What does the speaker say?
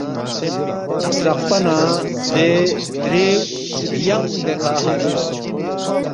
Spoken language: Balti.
سترقپا نہ دے درے ینگ دیکھہ حاضر سونگس